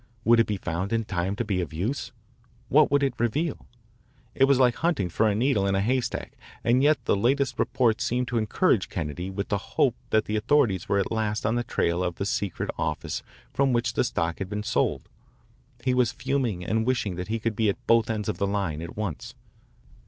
Would it be found in time to be of use? What would it reveal? It was like hunting for a needle in a haystack, and yet the latest reports seemed to encourage Kennedy with the hope that the authorities were at last on the trail of the secret office from which the stock had been sold. He was fuming and wishing that he could be at both ends of the line at once.